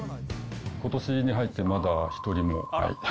ことしに入って、まだ１人も、はい。